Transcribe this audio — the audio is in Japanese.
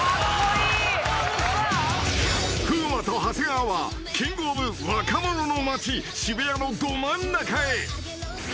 ［風磨と長谷川はキング・オブ・若者の街渋谷のど真ん中へ］